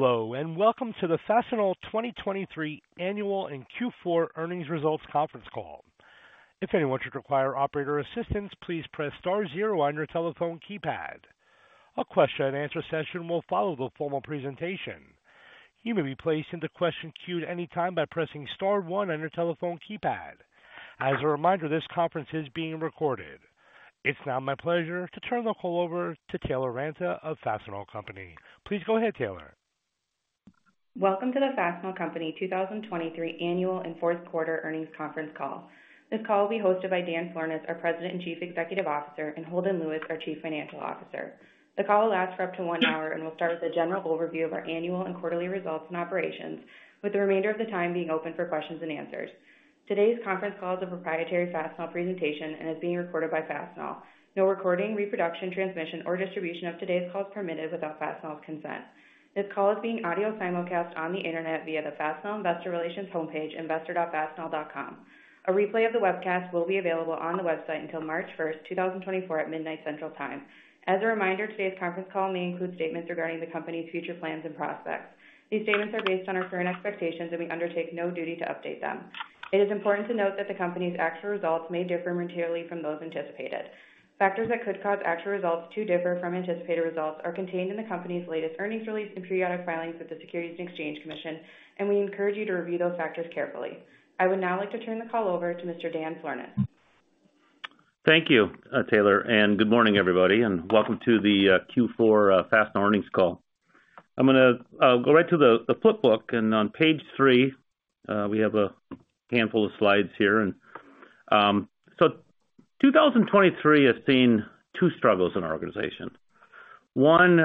Hello, and welcome to the Fastenal 2023 Annual and Q4 Earnings Results Conference Call. If anyone should require operator assistance, please press star zero on your telephone keypad. A question and answer session will follow the formal presentation. You may be placed into question queue at any time by pressing star one on your telephone keypad. As a reminder, this conference is being recorded. It's now my pleasure to turn the call over to Taylor Ranta of Fastenal Company. Please go ahead, Taylor. Welcome to the Fastenal Company 2023 annual and fourth quarter Earnings Conference Call. This call will be hosted by Dan Florness, our President and Chief Executive Officer, and Holden Lewis, our Chief Financial Officer. The call will last for up to 1 hour and will start with a general overview of our annual and quarterly results and operations, with the remainder of the time being open for questions and answers. Today's conference call is a proprietary Fastenal presentation and is being recorded by Fastenal. No recording, reproduction, transmission, or distribution of today's call is permitted without Fastenal's consent. This call is being audio simulcast on the internet via the Fastenal Investor Relations homepage, investor.fastenal.com. A replay of the webcast will be available on the website until March 1, 2024, at midnight Central Time. As a reminder, today's conference call may include statements regarding the company's future plans and prospects. These statements are based on our current expectations, and we undertake no duty to update them. It is important to note that the company's actual results may differ materially from those anticipated. Factors that could cause actual results to differ from anticipated results are contained in the company's latest earnings release and periodic filings with the Securities and Exchange Commission, and we encourage you to review those factors carefully. I would now like to turn the call over to Mr. Dan Florness. Thank you, Taylor, and good morning, everybody, and welcome to the Q4 Fastenal earnings call. I'm gonna go right to the Flipbook, and on page three, we have a handful of slides here. So 2023 has seen two struggles in our organization. One,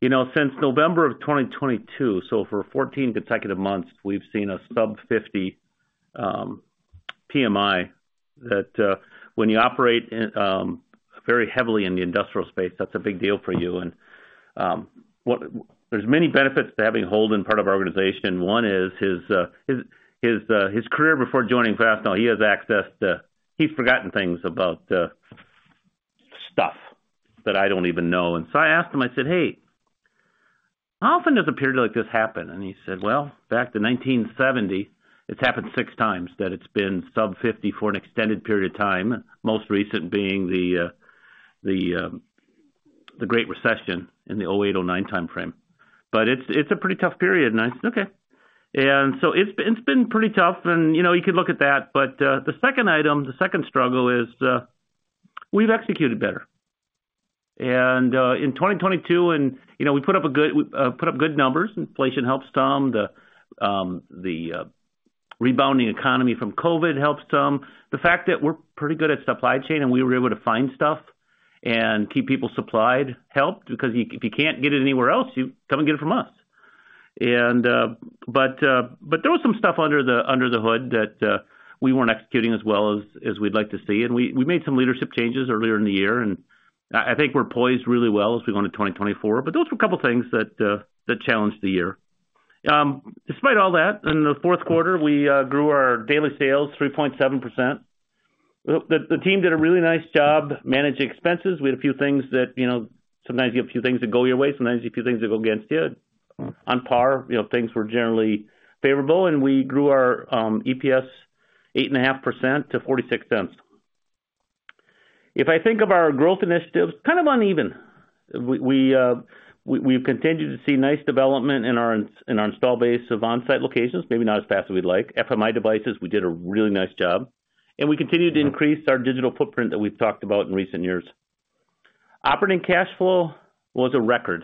you know, since November of 2022, so for 14 consecutive months, we've seen a sub-50 PMI, that when you operate in very heavily in the industrial space, that's a big deal for you. And there's many benefits to having Holden part of our organization. One is his career before joining Fastenal. He has access to... He's forgotten things about stuff that I don't even know. So I asked him, I said, "Hey, how often does a period like this happen?" And he said, "Well, back to 1970, it's happened 6 times that it's been sub-50 for an extended period of time, most recent being the Great Recession in the 2008 or 2009 timeframe. But it's a pretty tough period." And I said, "Okay." And so it's been pretty tough and, you know, you can look at that. But the second item, the second struggle is, we've executed better. And in 2022, and, you know, we put up a good, put up good numbers. Inflation helped some, the rebounding economy from COVID helped some. The fact that we're pretty good at supply chain, and we were able to find stuff and keep people supplied, helped because if you can't get it anywhere else, you come and get it from us. But there was some stuff under the hood that we weren't executing as well as we'd like to see. We made some leadership changes earlier in the year, and I think we're poised really well as we go into 2024. But those were a couple of things that challenged the year. Despite all that, in the fourth quarter, we grew our daily sales 3.7%. The team did a really nice job managing expenses. We had a few things that, you know, sometimes you have a few things that go your way, sometimes you have a few things that go against you. On par, you know, things were generally favorable, and we grew our EPS 8.5% to $0.46. If I think of our growth initiatives, kind of uneven. We’ve continued to see nice development in our in our installed base of Onsite locations, maybe not as fast as we’d like. FMI devices, we did a really nice job, and we continued to increase our Digital Footprint that we’ve talked about in recent years. Operating cash flow was a record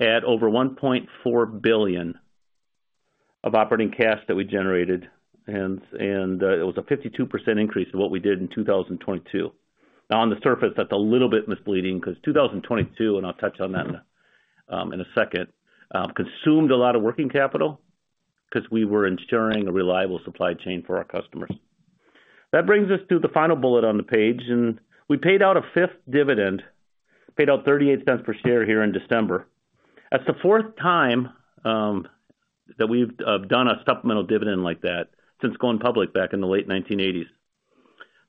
at over $1.4 billion of operating cash that we generated, and it was a 52% increase of what we did in 2022. Now, on the surface, that's a little bit misleading because 2022, and I'll touch on that in a second, consumed a lot of working capital because we were ensuring a reliable supply chain for our customers. That brings us to the final bullet on the page, and we paid out a fifth dividend, paid out $0.38 per share here in December. That's the fourth time that we've done a supplemental dividend like that since going public back in the late 1980s.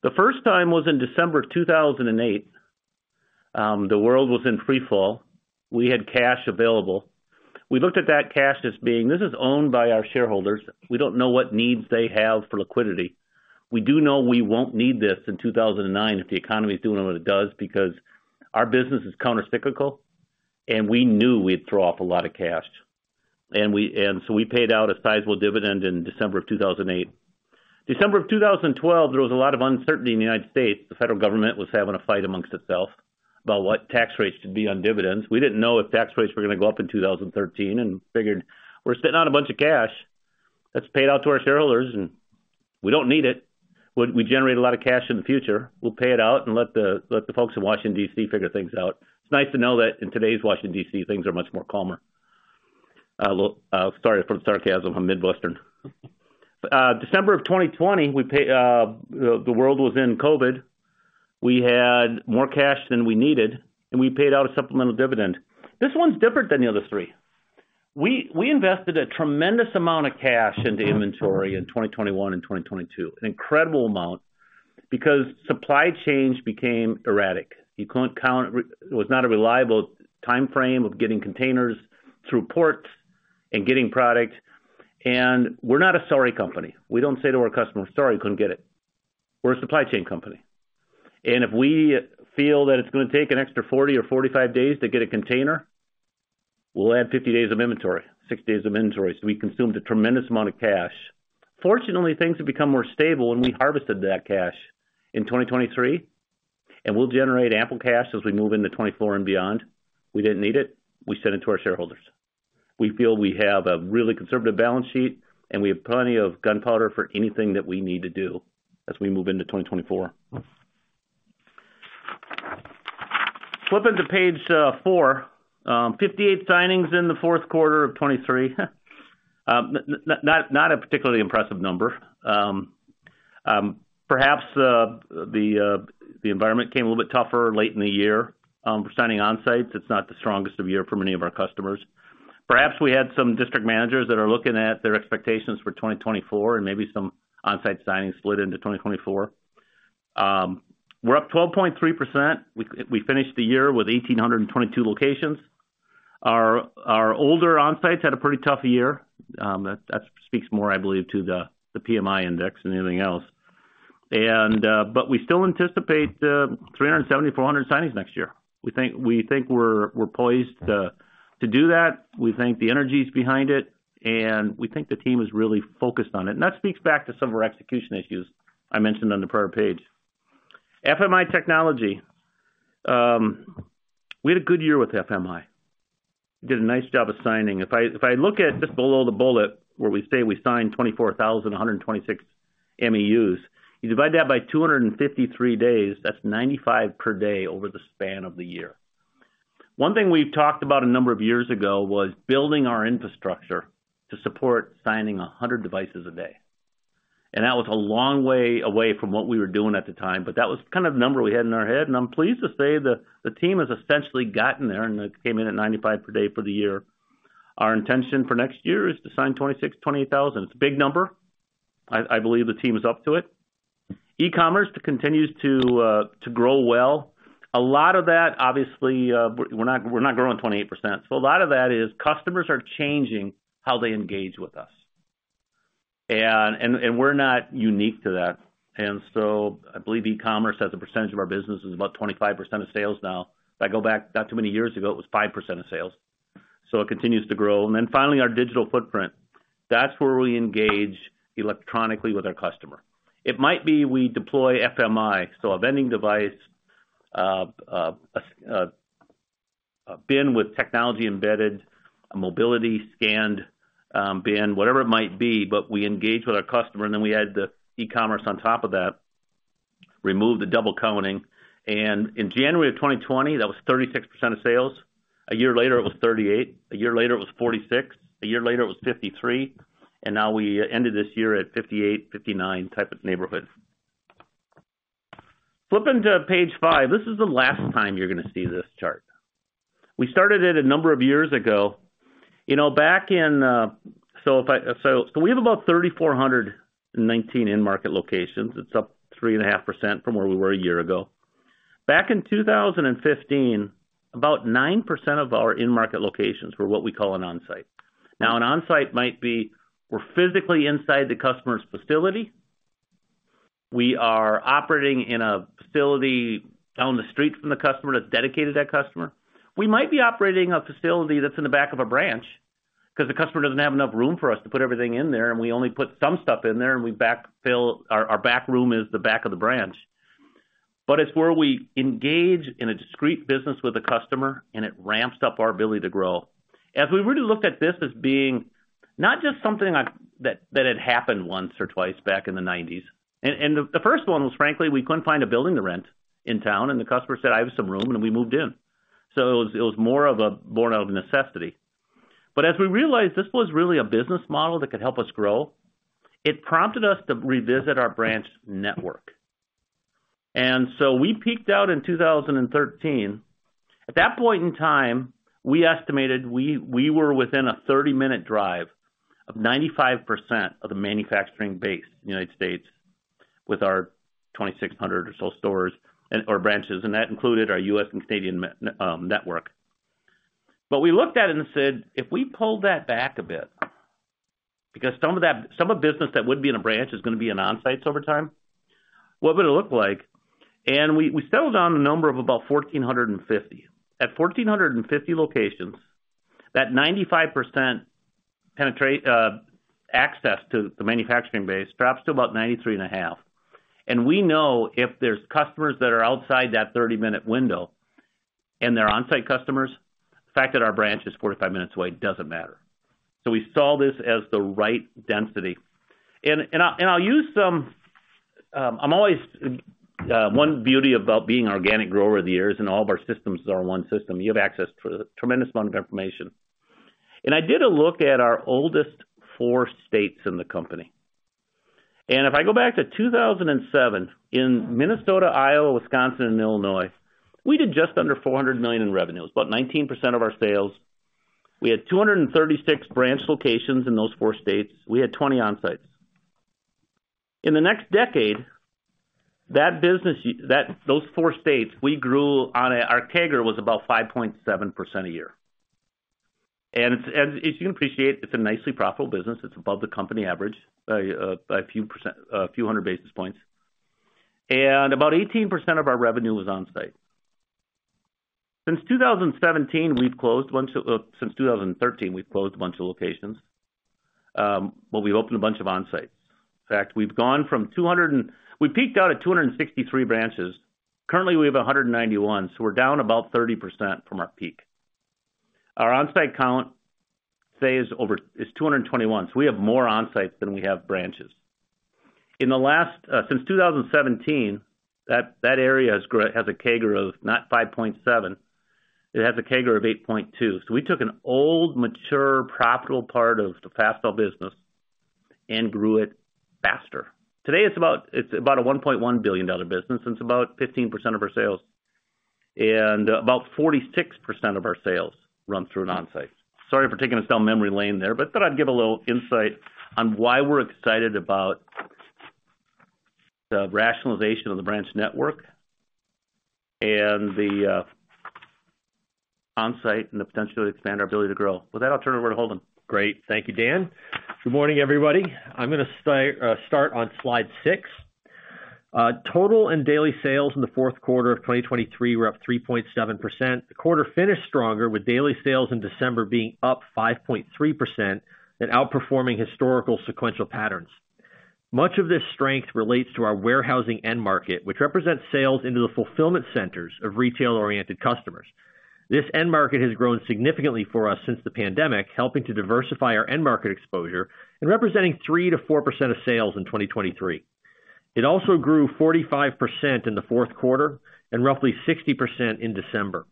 The first time was in December of 2008. The world was in free fall. We had cash available. We looked at that cash as being, "This is owned by our shareholders. We don't know what needs they have for liquidity. We do know we won't need this in 2009 if the economy is doing what it does, because our business is countercyclical, and we knew we'd throw off a lot of cash." And so we paid out a sizable dividend in December of 2008. December of 2012, there was a lot of uncertainty in the United States. The federal government was having a fight amongst itself about what tax rates should be on dividends. We didn't know if tax rates were gonna go up in 2013 and figured we're sitting on a bunch of cash that's paid out to our shareholders, and we don't need it. We generate a lot of cash in the future. We'll pay it out and let the folks in Washington, D.C., figure things out. It's nice to know that in today's Washington, D.C., things are much more calmer. Well, sorry for the sarcasm, I'm Midwestern. December of 2020, we paid... The world was in COVID. We had more cash than we needed, and we paid out a supplemental dividend. This one's different than the other three... We invested a tremendous amount of cash into inventory in 2021 and 2022. An incredible amount, because supply chains became erratic. You couldn't count, it was not a reliable timeframe of getting containers through ports and getting product. And we're not a sorry company. We don't say to our customers: "Sorry, couldn't get it." We're a supply chain company, and if we feel that it's gonna take an extra 40 or 45 days to get a container, we'll add 50 days of inventory, 60 days of inventory. So we consumed a tremendous amount of cash. Fortunately, things have become more stable, and we harvested that cash in 2023, and we'll generate ample cash as we move into 2024 and beyond. We didn't need it, we sent it to our shareholders. We feel we have a really conservative balance sheet, and we have plenty of gunpowder for anything that we need to do as we move into 2024. Flipping to page four, 58 signings in the fourth quarter of 2023. Not a particularly impressive number. Perhaps the environment became a little bit tougher late in the year. For signing Onsites, it's not the strongest of year for many of our customers. Perhaps we had some district managers that are looking at their expectations for 2024, and maybe some Onsite signings slid into 2024. We're up 12.3%. We finished the year with 1,822 locations. Our older Onsites had a pretty tough year. That speaks more, I believe, to the PMI index than anything else. But we still anticipate 370-400 signings next year. We think we're poised to do that. We think the energy's behind it, and we think the team is really focused on it. That speaks back to some of our execution issues I mentioned on the prior page. FMI Technology. We had a good year with FMI. We did a nice job of signing. If I look at just below the bullet, where we say we signed 24,126 MEUs, you divide that by 253 days, that's 95 per day over the span of the year. One thing we've talked about a number of years ago was building our infrastructure to support signing 100 devices a day. That was a long way away from what we were doing at the time, but that was kind of the number we had in our head, and I'm pleased to say that the team has essentially gotten there, and it came in at 95 per day for the year. Our intention for next year is to sign 26,000-28,000. It's a big number. I believe the team is up to it. E-commerce continues to grow well. A lot of that, obviously, we're, we're not, we're not growing 28%, so a lot of that is customers are changing how they engage with us. And, and, and we're not unique to that. And so I believe e-commerce, as a percentage of our business, is about 25% of sales now. If I go back not too many years ago, it was 5% of sales, so it continues to grow. And then finally, our Digital Footprint. That's where we engage electronically with our customer. It might be we deploy FMI, so a vending device, a bin with technology embedded, a Mobility scanned bin, whatever it might be, but we engage with our customer, and then we add the e-commerce on top of that, remove the double counting. And in January of 2020, that was 36% of sales. A year later, it was 38. A year later, it was 46. A year later, it was 53. And now we ended this year at 58, 59 type of neighborhood. Flipping to page five. This is the last time you're gonna see this chart. We started it a number of years ago. You know, back in... So, so we have about 3,419 in-market locations. It's up 3.5% from where we were a year ago. Back in 2015, about 9% of our in-market locations were what we call an Onsite. Now, an Onsite might be we're physically inside the customer's facility. We are operating in a facility down the street from the customer that's dedicated to that customer. We might be operating a facility that's in the back of a branch, 'cause the customer doesn't have enough room for us to put everything in there, and we only put some stuff in there, and we backfill, our back room is the back of the branch. But it's where we engage in a discrete business with a customer, and it ramps up our ability to grow. As we really looked at this as being not just something that had happened once or twice back in the nineties. And the first one was, frankly, we couldn't find a building to rent in town, and the customer said, "I have some room," and we moved in. So it was more of a born out of necessity. But as we realized this was really a business model that could help us grow, it prompted us to revisit our branch network. And so we peaked out in 2013. At that point in time, we estimated we, we were within a 30-minute drive of 95% of the manufacturing base in the United States with our 2,600 or so stores and/or branches, and that included our U.S. and Canadian net, network. But we looked at it and said, "If we pulled that back a bit, because some of that-- some of the business that would be in a branch is gonna be in Onsites over time, what would it look like?" And we, we settled on a number of about 1,450. At 1,450 locations, that 95% penetration, access to the manufacturing base, drops to about 93.5. We know if there's customers that are outside that 30-minute window and they're Onsite customers, the fact that our branch is 45 minutes away doesn't matter. So we saw this as the right density. I'll use some. I'm always, one beauty about being an organic grower over the years, and all of our systems are one system, you have access to a tremendous amount of information. I did a look at our oldest four states in the company. If I go back to 2007, in Minnesota, Iowa, Wisconsin, and Illinois, we did just under $400 million in revenues, about 19% of our sales. We had 236 branch locations in those four states. We had 20 Onsites. In the next decade, that business, those four states, we grew, our CAGR was about 5.7% a year. And as you can appreciate, it's a nicely profitable business. It's above the company average, by a few percent, a few hundred basis points, and about 18% of our revenue was Onsite. Since 2013, we've closed a bunch of locations, but we've opened a bunch of Onsites. In fact, we peaked out at 263 branches. Currently, we have 191, so we're down about 30% from our peak. Our Onsite count today is over, is 221, so we have more Onsites than we have branches. In the last since 2017, that area has a CAGR of not 5.7, it has a CAGR of 8.2. So we took an old, mature, profitable part of the Fastenal business and grew it faster. Today, it's about, it's about a $1.1 billion business, and it's about 15% of our sales, and about 46% of our sales run through an Onsite. Sorry for taking us down memory lane there, but thought I'd give a little insight on why we're excited about the rationalization of the branch network and the Onsite and the potential to expand our ability to grow. With that, I'll turn it over to Holden. Great. Thank you, Dan. Good morning, everybody. I'm gonna start on slide six. Total and daily sales in the fourth quarter of 2023 were up 3.7%. The quarter finished stronger, with daily sales in December being up 5.3% and outperforming historical sequential patterns. Much of this strength relates to our warehousing end market, which represents sales into the fulfillment centers of retail-oriented customers. This end market has grown significantly for us since the pandemic, helping to diversify our end market exposure and representing 3%-4% of sales in 2023. It also grew 45% in the fourth quarter and roughly 60% in December.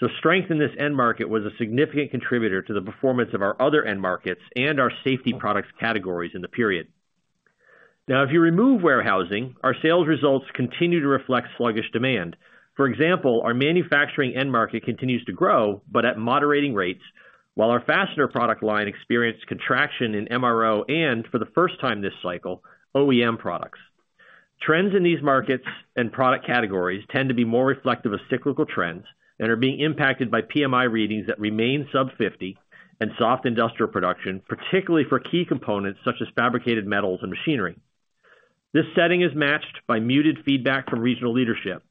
So strength in this end market was a significant contributor to the performance of our other end markets and our safety products categories in the period. Now, if you remove warehousing, our sales results continue to reflect sluggish demand. For example, our manufacturing end market continues to grow, but at moderating rates, while our fastener product line experienced contraction in MRO and for the first time this cycle, OEM products. Trends in these markets and product categories tend to be more reflective of cyclical trends and are being impacted by PMI readings that remain sub-50 and soft industrial production, particularly for key components such as fabricated metals and machinery. This setting is matched by muted feedback from regional leadership,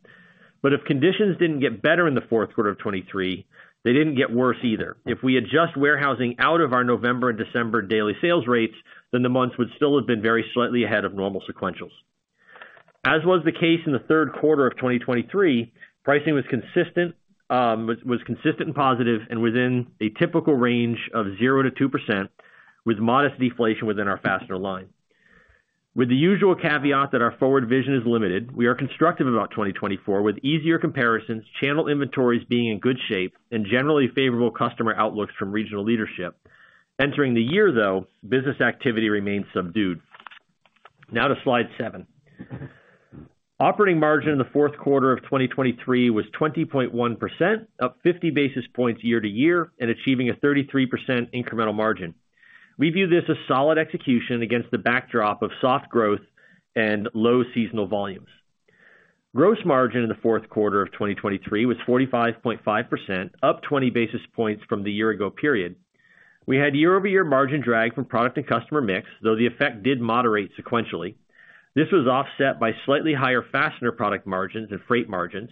but if conditions didn't get better in the fourth quarter of 2023, they didn't get worse either. If we adjust warehousing out of our November and December daily sales rates, then the months would still have been very slightly ahead of normal sequentials. As was the case in the third quarter of 2023, pricing was consistent and positive and within a typical range of 0%-2%, with modest deflation within our fastener line. With the usual caveat that our forward vision is limited, we are constructive about 2024, with easier comparisons, channel inventories being in good shape, and generally favorable customer outlooks from regional leadership. Entering the year, though, business activity remains subdued. Now to slide seven. Operating margin in the fourth quarter of 2023 was 20.1%, up 50 basis points year to year, and achieving a 33% incremental margin. We view this as solid execution against the backdrop of soft growth and low seasonal volumes. Gross margin in the fourth quarter of 2023 was 45.5%, up 20 basis points from the year ago period. We had year-over-year margin drag from product and customer mix, though the effect did moderate sequentially. This was offset by slightly higher fastener product margins and freight margins,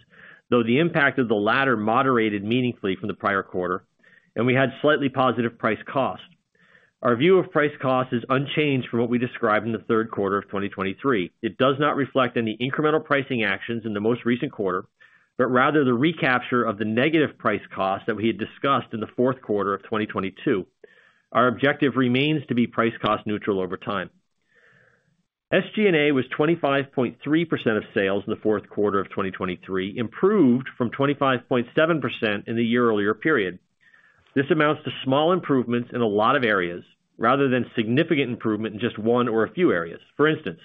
though the impact of the latter moderated meaningfully from the prior quarter, and we had slightly positive price cost. Our view of price cost is unchanged from what we described in the third quarter of 2023. It does not reflect any incremental pricing actions in the most recent quarter, but rather the recapture of the negative price cost that we had discussed in the fourth quarter of 2022. Our objective remains to be price cost neutral over time. SG&A was 25.3% of sales in the fourth quarter of 2023, improved from 25.7% in the year earlier period. This amounts to small improvements in a lot of areas rather than significant improvement in just one or a few areas. For instance,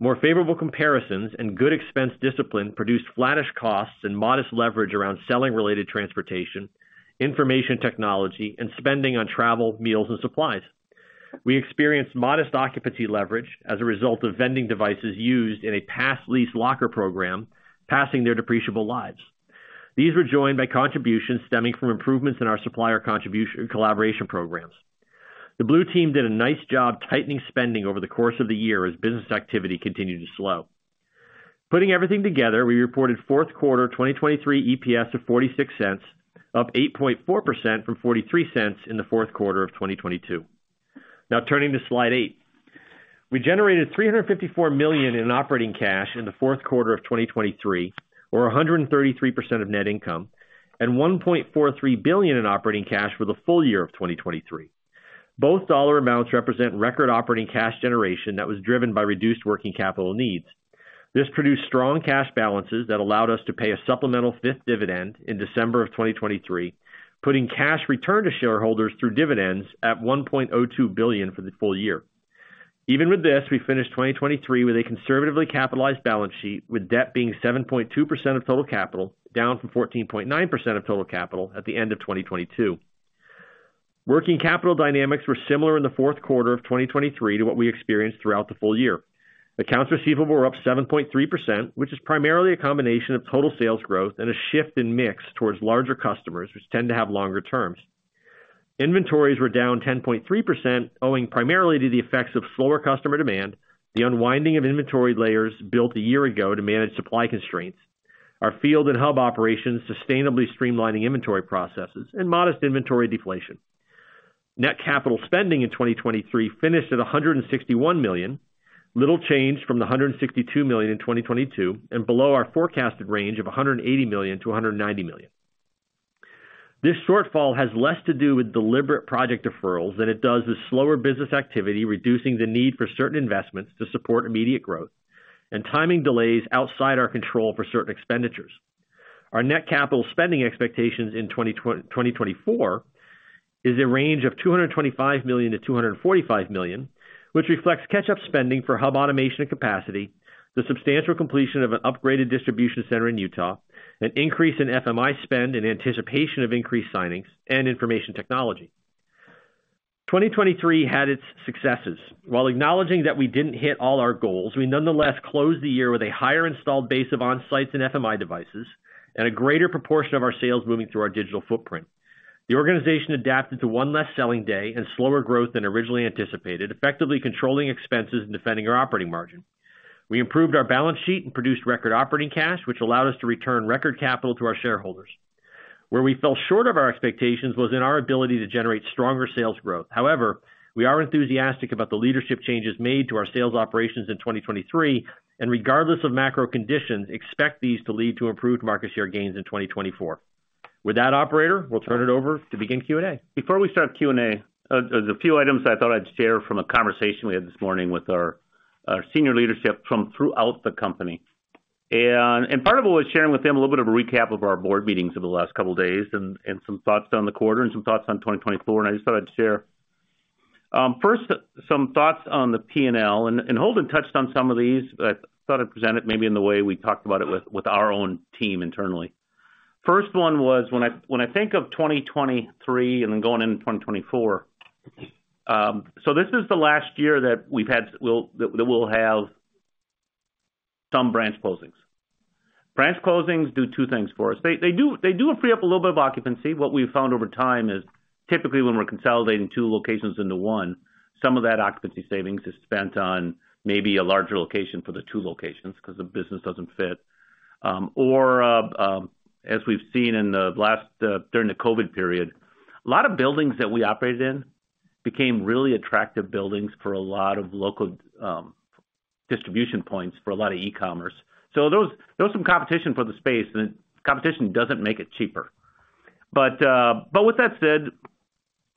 more favorable comparisons and good expense discipline produced flattish costs and modest leverage around selling related transportation, information technology, and spending on travel, meals, and supplies. We experienced modest occupancy leverage as a result of vending devices used in a past lease locker program, passing their depreciable lives. These were joined by contributions stemming from improvements in our supplier contribution-collaboration programs. The Blue Team did a nice job tightening spending over the course of the year as business activity continued to slow. Putting everything together, we reported fourth quarter 2023 EPS of $0.46, up 8.4% from $0.43 in the fourth quarter of 2022. Now, turning to slide 8. We generated $354 million in operating cash in the fourth quarter of 2023, or 133% of net income, and $1.43 billion in operating cash for the full year of 2023. Both dollar amounts represent record operating cash generation that was driven by reduced working capital needs.... This produced strong cash balances that allowed us to pay a supplemental fifth dividend in December of 2023, putting cash return to shareholders through dividends at $1.02 billion for the full year. Even with this, we finished 2023 with a conservatively capitalized balance sheet, with debt being 7.2% of total capital, down from 14.9% of total capital at the end of 2022. Working capital dynamics were similar in the fourth quarter of 2023 to what we experienced throughout the full year. Accounts receivable were up 7.3%, which is primarily a combination of total sales growth and a shift in mix towards larger customers, which tend to have longer terms. Inventories were down 10.3%, owing primarily to the effects of slower customer demand, the unwinding of inventory layers built a year ago to manage supply constraints, our field and hub operations sustainably streamlining inventory processes, and modest inventory deflation. Net capital spending in 2023 finished at $161 million, little change from the $162 million in 2022, and below our forecasted range of $180 million-$190 million. This shortfall has less to do with deliberate project deferrals than it does with slower business activity, reducing the need for certain investments to support immediate growth and timing delays outside our control for certain expenditures. Our net capital spending expectations in 2024 is a range of $225 million-$245 million, which reflects catch-up spending for hub automation and capacity, the substantial completion of an upgraded distribution center in Utah, an increase in FMI spend in anticipation of increased signings, and information technology. 2023 had its successes. While acknowledging that we didn't hit all our goals, we nonetheless closed the year with a higher installed base of Onsites and FMI devices, and a greater proportion of our sales moving through our Digital Footprint. The organization adapted to one less selling day and slower growth than originally anticipated, effectively controlling expenses and defending our operating margin. We improved our balance sheet and produced record operating cash, which allowed us to return record capital to our shareholders. Where we fell short of our expectations was in our ability to generate stronger sales growth. However, we are enthusiastic about the leadership changes made to our sales operations in 2023, and regardless of macro conditions, expect these to lead to improved market share gains in 2024. With that, operator, we'll turn it over to begin Q&A. Before we start Q&A, there's a few items I thought I'd share from a conversation we had this morning with our senior leadership from throughout the company. And part of it was sharing with them a little bit of a recap of our board meetings over the last couple of days and some thoughts on the quarter and some thoughts on 2024, and I just thought I'd share. First, some thoughts on the P&L, and Holden touched on some of these, but I thought I'd present it maybe in the way we talked about it with our own team internally. First one was, when I think of 2023 and then going into 2024, so this is the last year that we've had—that we'll have some branch closings. Branch closings do two things for us. They do free up a little bit of occupancy. What we've found over time is typically when we're consolidating two locations into one, some of that occupancy savings is spent on maybe a larger location for the two locations because the business doesn't fit. As we've seen in the last during the COVID period, a lot of buildings that we operated in became really attractive buildings for a lot of local distribution points for a lot of e-commerce. So those some competition for the space, and competition doesn't make it cheaper. But but with that said,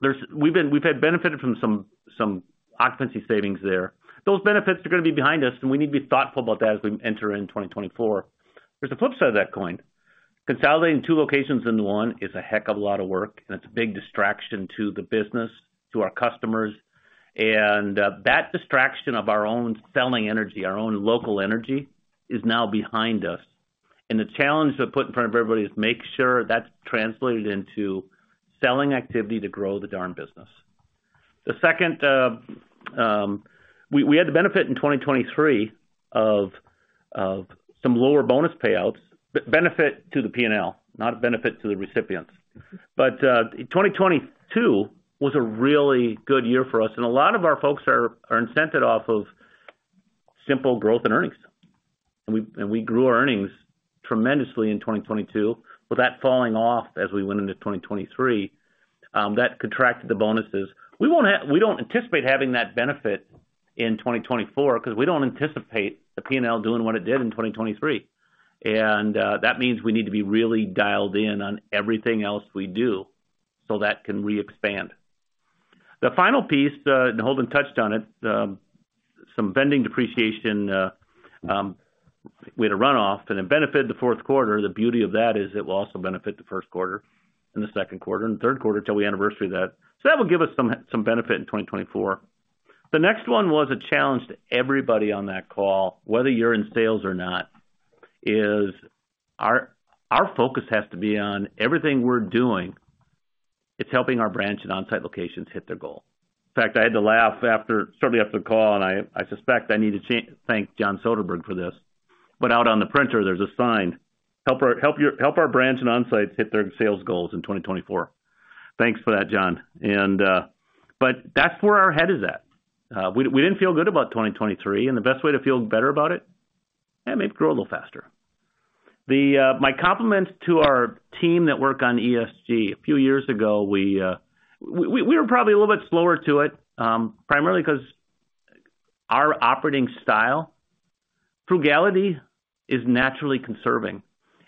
there's we've benefited from some occupancy savings there. Those benefits are going to be behind us, and we need to be thoughtful about that as we enter in 2024. There's a flip side of that coin. Consolidating two locations into one is a heck of a lot of work, and it's a big distraction to the business, to our customers, and that distraction of our own selling energy, our own local energy, is now behind us. And the challenge to put in front of everybody is make sure that's translated into selling activity to grow the darn business. The second, we had the benefit in 2023 of some lower bonus payouts, benefit to the P&L, not a benefit to the recipients. But, 2022 was a really good year for us, and a lot of our folks are incented off of simple growth and earnings. And we grew our earnings tremendously in 2022. With that falling off as we went into 2023, that contracted the bonuses. We don't anticipate having that benefit in 2024 because we don't anticipate the P&L doing what it did in 2023. And, that means we need to be really dialed in on everything else we do so that can re-expand. The final piece, and Holden touched on it, some vending depreciation, we had a runoff, and it benefited the fourth quarter. The beauty of that is it will also benefit the first quarter and the second quarter and the third quarter till we anniversary that. So that will give us some benefit in 2024. The next one was a challenge to everybody on that call, whether you're in sales or not, is our focus has to be on everything we're doing, it's helping our branch and Onsite locations hit their goal. In fact, I had to laugh after, shortly after the call, and I suspect I need to thank John Soderberg for this, but out on the printer, there's a sign: "Help our branch and Onsites hit their sales goals in 2024." Thanks for that, John. But that's where our head is at. We didn't feel good about 2023, and the best way to feel better about it and make it grow a little faster. My compliments to our team that worked on ESG. A few years ago, we were probably a little bit slower to it, primarily because our operating style, frugality, is naturally conserving.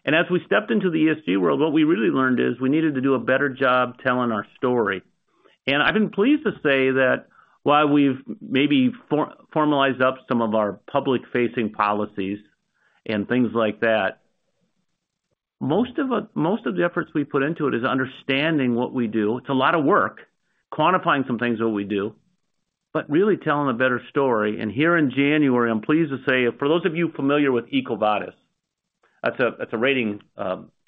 And as we stepped into the ESG world, what we really learned is, we needed to do a better job telling our story. And I've been pleased to say that while we've maybe formalized up some of our public-facing policies and things like that, most of the efforts we put into it is understanding what we do. It's a lot of work, quantifying some things that we do, but really telling a better story. Here in January, I'm pleased to say, for those of you familiar with EcoVadis, that's a, that's a rating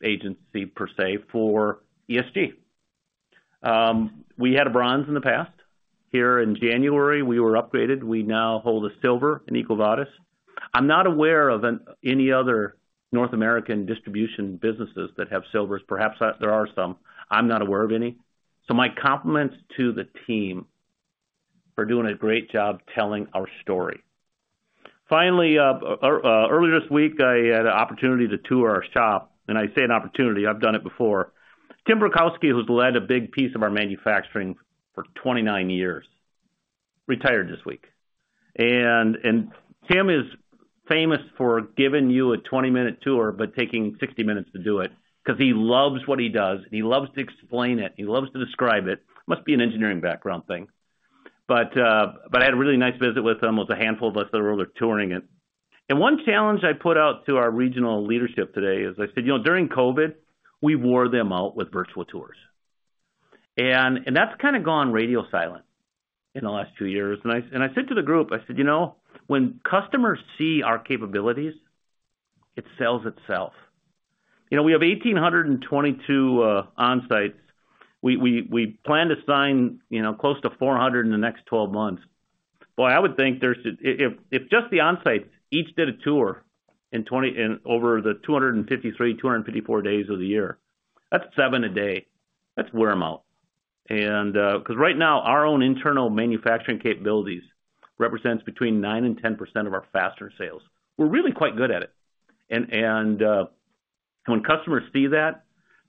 agency, per se, for ESG. We had a bronze in the past. Here in January, we were upgraded. We now hold a silver in EcoVadis. I'm not aware of any other North American distribution businesses that have silvers. Perhaps there are some, I'm not aware of any. So my compliments to the team for doing a great job telling our story. Finally, earlier this week, I had an opportunity to tour our shop, and I say an opportunity, I've done it before. Tim Borkowski, who's led a big piece of our manufacturing for 29 years, retired this week, and Tim is famous for giving you a 20-minute tour, but taking 60 minutes to do it, 'cause he loves what he does, and he loves to explain it, he loves to describe it. Must be an engineering background thing. But I had a really nice visit with him, with a handful of us that were there touring it. And one challenge I put out to our regional leadership today is, I said: "You know, during COVID, we wore them out with virtual tours." And that's kind of gone radio silent in the last two years. And I said to the group, I said: "You know, when customers see our capabilities, it sells itself." You know, we have 1,822 Onsites. We plan to sign, you know, close to 400 in the next 12 months. Boy, I would think if just the Onsites each did a tour in over the 253, 254 days of the year, that's 7 a day. That's wear them out. And, 'cause right now, our own internal manufacturing capabilities represents between 9% and 10% of our fastener sales. We're really quite good at it. And, when customers see that,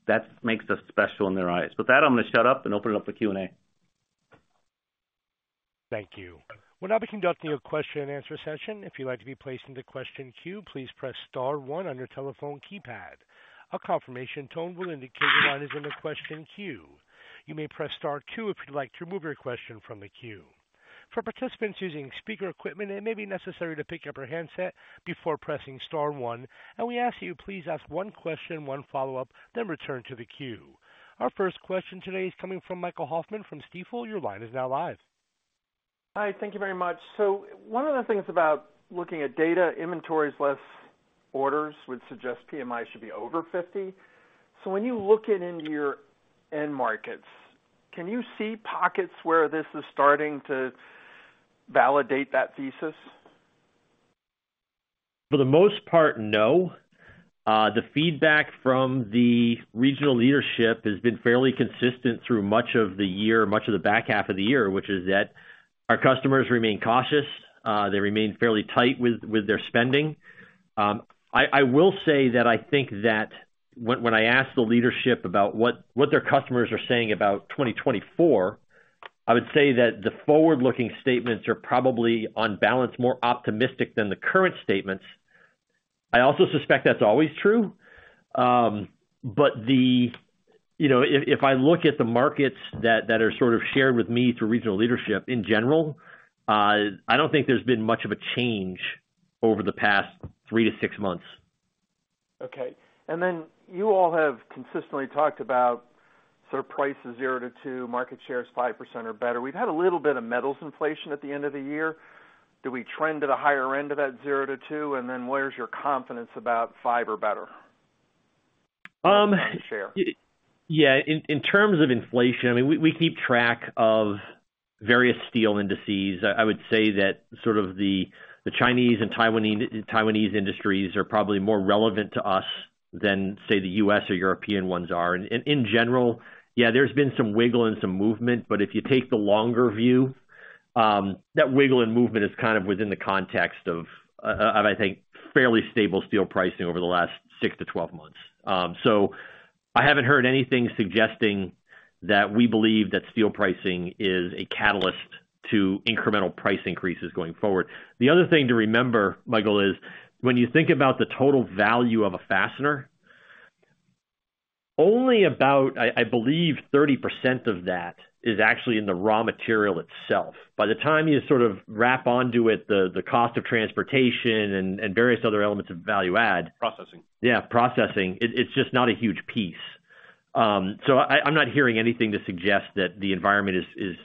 that makes us special in their eyes. With that, I'm gonna shut up and open it up for Q&A. Thank you. We'll now be conducting a question and answer session. If you'd like to be placed into question queue, please press star one on your telephone keypad. A confirmation tone will indicate your line is in the question queue. You may press star two if you'd like to remove your question from the queue. For participants using speaker equipment, it may be necessary to pick up your handset before pressing star one, and we ask that you please ask one question, one follow-up, then return to the queue. Our first question today is coming from Michael Hoffman from Stifel. Your line is now live. Hi, thank you very much. So one of the things about looking at data, inventories, less orders, would suggest PMI should be over 50. So when you look into your end markets, can you see pockets where this is starting to validate that thesis? For the most part, no. The feedback from the regional leadership has been fairly consistent through much of the year, much of the back half of the year, which is that our customers remain cautious, they remain fairly tight with, with their spending. I, I will say that I think that when, when I ask the leadership about what, what their customers are saying about 2024, I would say that the forward-looking statements are probably, on balance, more optimistic than the current statements. I also suspect that's always true. But the... You know, if, if I look at the markets that, that are sort of shared with me through regional leadership in general, I don't think there's been much of a change over the past three to six months. Okay. And then you all have consistently talked about sort of prices 0%-2%, market share 5% or better. We've had a little bit of metals inflation at the end of the year. Do we trend at a higher end of that 0%-2%? And then where's your confidence about 5% or better, market share? Yeah, in terms of inflation, I mean, we keep track of various steel indices. I would say that sort of the Chinese and Taiwanese industries are probably more relevant to us than, say, the U.S. or European ones are. And in general, yeah, there's been some wiggle and some movement, but if you take the longer view, that wiggle and movement is kind of within the context of, I think, fairly stable steel pricing over the last six to 12 months. So I haven't heard anything suggesting that we believe that steel pricing is a catalyst to incremental price increases going forward. The other thing to remember, Michael, is when you think about the total value of a fastener, only about, I believe, 30% of that is actually in the raw material itself. By the time you sort of wrap onto it, the cost of transportation and various other elements of value add-. Processing. Yeah, processing. It's just not a huge piece. So I'm not hearing anything to suggest that the environment is,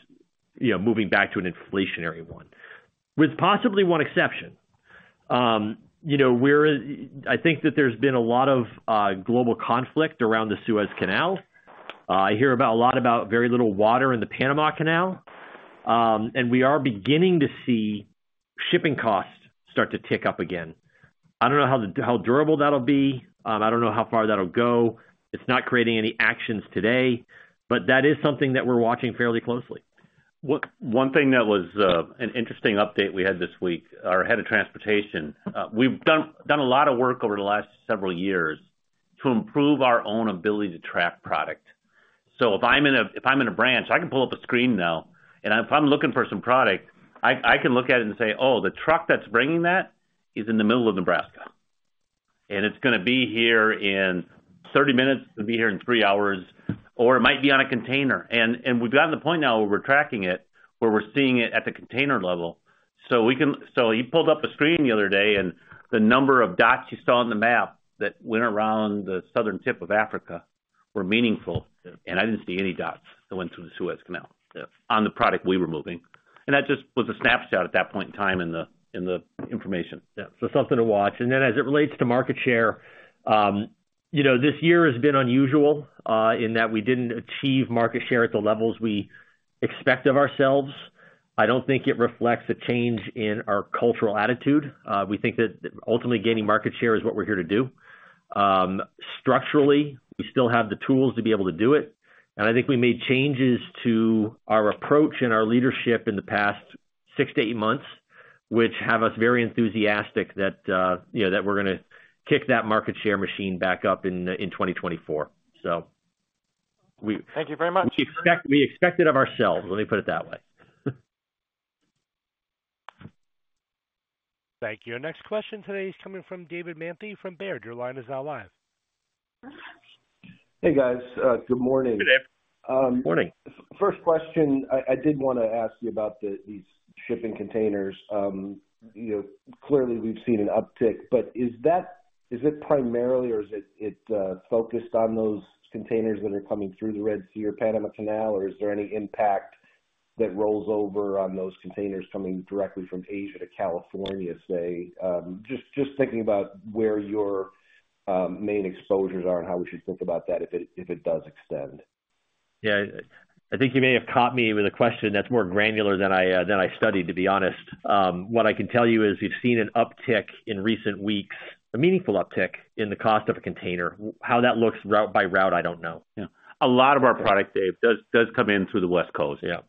you know, moving back to an inflationary one, with possibly one exception. You know, we're. I think that there's been a lot of global conflict around the Suez Canal. I hear a lot about very little water in the Panama Canal. And we are beginning to see shipping costs start to tick up again. I don't know how durable that'll be. I don't know how far that'll go. It's not creating any actions today, but that is something that we're watching fairly closely. One thing that was an interesting update we had this week, our head of transportation. We've done a lot of work over the last several years to improve our own ability to track product. So if I'm in a branch, I can pull up a screen now, and if I'm looking for some product, I can look at it and say: "Oh, the truck that's bringing that is in the middle of Nebraska. And it's gonna be here in 30 minutes, it'll be here in three hours, or it might be on a container. And we've gotten to the point now where we're tracking it, where we're seeing it at the container level. So you pulled up a screen the other day, and the number of dots you saw on the map that went around the southern tip of Africa were meaningful, and I didn't see any dots that went through the Suez Canal-. Yeah. on the product we were moving. And that just was a snapshot at that point in time in the information. Yeah. So something to watch. And then as it relates to market share, you know, this year has been unusual in that we didn't achieve market share at the levels we expect of ourselves. I don't think it reflects a change in our cultural attitude. We think that ultimately gaining market share is what we're here to do. Structurally, we still have the tools to be able to do it, and I think we made changes to our approach and our leadership in the past six to eight months, which have us very enthusiastic that, you know, that we're gonna kick that market share machine back up in 2024. So we-. Thank you very much. We expect, we expect it of ourselves, let me put it that way. Thank you. Our next question today is coming from David Manthey from Baird. Your line is now live. Hey, guys, good morning. Good day. Morning. First question, I did wanna ask you about these shipping containers. You know, clearly we've seen an uptick, but is that primarily or is it focused on those containers that are coming through the Red Sea or Panama Canal? Or is there any impact that rolls over on those containers coming directly from Asia to California, say, just thinking about where your main exposures are and how we should think about that if it does extend. Yeah, I think you may have caught me with a question that's more granular than I studied, to be honest. What I can tell you is we've seen an uptick in recent weeks, a meaningful uptick in the cost of a container. How that looks route by route, I don't know. Yeah. A lot of our product, Dave, does come in through the West Coast. Yeah.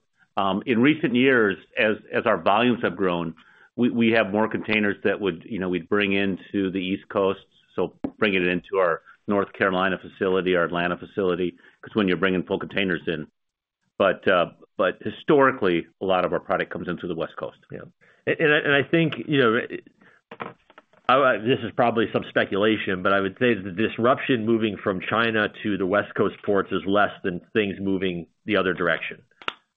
In recent years, as our volumes have grown, we have more containers that would... You know, we'd bring into the East Coast, so bring it into our North Carolina facility, our Atlanta facility, 'cause when you're bringing full containers in. But historically, a lot of our product comes in through the West Coast. Yeah. And I think, you know, this is probably some speculation, but I would say the disruption moving from China to the West Coast ports is less than things moving the other direction.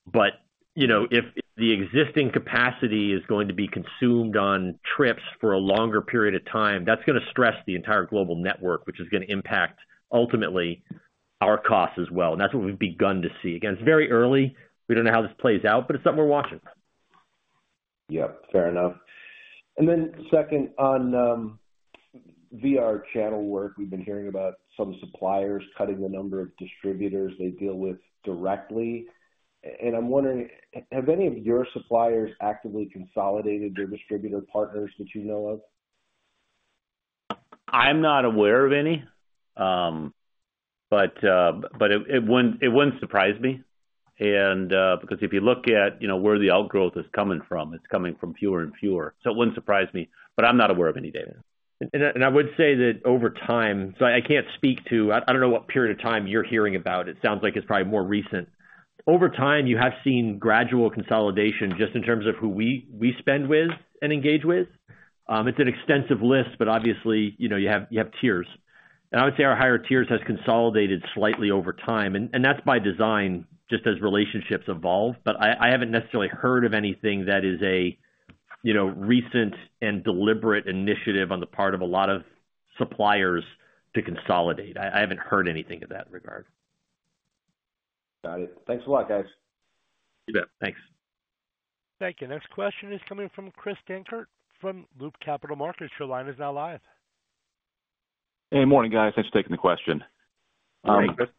But, you know, if the existing capacity is going to be consumed on trips for a longer period of time, that's gonna stress the entire global network, which is gonna impact, ultimately, our costs as well. And that's what we've begun to see. Again, it's very early. We don't know how this plays out, but it's something we're watching. Yep, fair enough. And then second, on VR channel work, we've been hearing about some suppliers cutting the number of distributors they deal with directly. And I'm wondering, have any of your suppliers actively consolidated their distributor partners that you know of? I'm not aware of any, but it wouldn't surprise me. And because if you look at, you know, where the outgrowth is coming from, it's coming from fewer and fewer. So it wouldn't surprise me, but I'm not aware of any, David. I would say that over time... So I can't speak to—I don't know what period of time you're hearing about. It sounds like it's probably more recent. Over time, you have seen gradual consolidation just in terms of who we spend with and engage with. It's an extensive list, but obviously, you know, you have tiers. And I would say our higher tiers has consolidated slightly over time, and that's by design, just as relationships evolve. But I haven't necessarily heard of anything that is a, you know, recent and deliberate initiative on the part of a lot of suppliers to consolidate. I haven't heard anything in that regard. Got it. Thanks a lot, guys. You bet. Thanks. Thank you. Next question is coming from Chris Dankert, from Loop Capital Markets. Your line is now live. Hey, morning, guys. Thanks for taking the question. Good morning, Chris.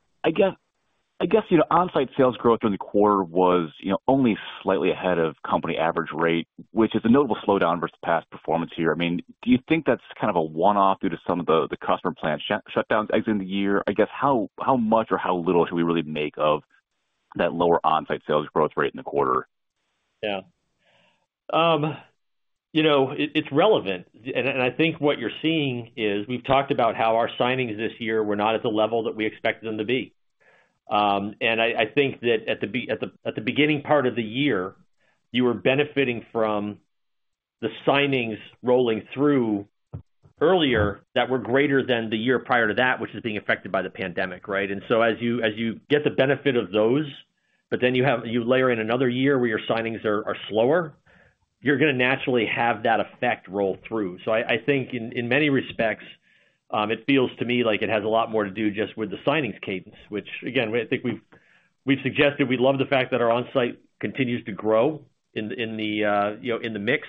I guess, you know, Onsite sales growth during the quarter was, you know, only slightly ahead of company average rate, which is a notable slowdown versus past performance here. I mean, do you think that's kind of a one-off due to some of the customer plant shut downs exiting the year? I guess, how much or how little should we really make of that lower Onsite sales growth rate in the quarter? Yeah. You know, it's relevant. And I think what you're seeing is, we've talked about how our signings this year were not at the level that we expected them to be. And I think that at the beginning part of the year, you were benefiting from the signings rolling through earlier that were greater than the year prior to that, which is being affected by the pandemic, right? And so as you get the benefit of those, but then you layer in another year where your signings are slower, you're gonna naturally have that effect roll through. So I think in many respects, it feels to me like it has a lot more to do just with the signings cadence, which again, I think we've suggested we love the fact that our Onsite continues to grow in the you know in the mix.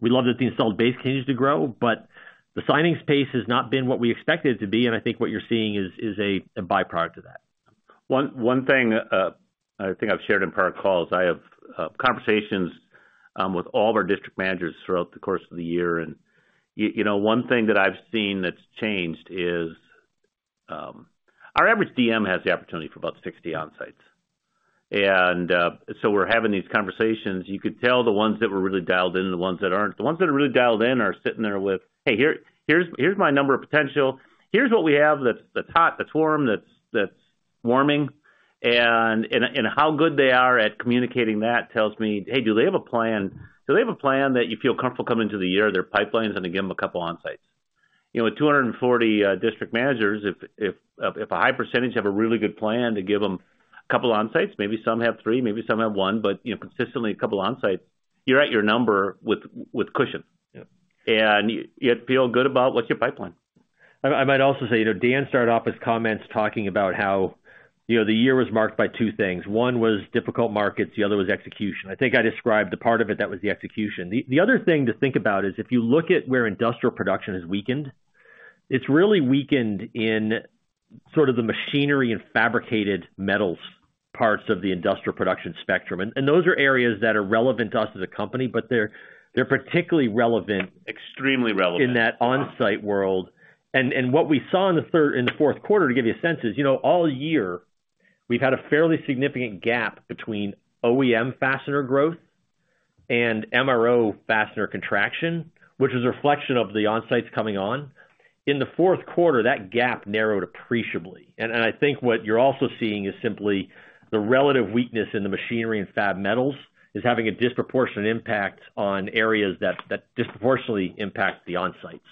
We love that the installed base continues to grow, but the signings pace has not been what we expected it to be, and I think what you're seeing is a by-product to that. One thing I think I've shared in prior calls, I have conversations with all of our district managers throughout the course of the year, and you know, one thing that I've seen that's changed is our average DM has the opportunity for about 60 Onsites. So we're having these conversations. You could tell the ones that we're really dialed in and the ones that aren't. The ones that are really dialed in are sitting there with: "Hey, here's my number of potential. Here's what we have that's hot, that's warm, that's warming." And how good they are at communicating that tells me, hey, do they have a plan? Do they have a plan that you feel comfortable coming into the year, their pipelines, and they give them a couple Onsites? You know, with 240 district managers, if a high percentage have a really good plan to give them a couple Onsites, maybe some have three, maybe some have one, but, you know, consistently, a couple of Onsites, you're at your number with cushion. Yeah. And you, you feel good about what's your pipeline? I might also say, you know, Dan started off his comments talking about how, you know, the year was marked by two things. One was difficult markets, the other was execution. I think I described the part of it that was the execution. The other thing to think about is, if you look at where industrial production is weakened, it's really weakened in sort of the machinery and fabricated metals, parts of the industrial production spectrum. And those are areas that are relevant to us as a company, but they're, they're particularly relevant-. Extremely relevant. in that Onsite world. And, and what we saw in the third... in the fourth quarter, to give you a sense, is, you know, all year, we've had a fairly significant gap between OEM fastener growth and MRO fastener contraction, which is a reflection of the Onsites coming on. In the fourth quarter, that gap narrowed appreciably. And, and I think what you're also seeing is simply the relative weakness in the machinery and fab metals, is having a disproportionate impact on areas that, that disproportionately impact the Onsites.